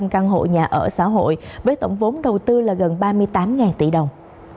một trăm linh căn hộ nhà ở xã hội với tổng vốn đầu tư là gần ba mươi tám tỷ đồng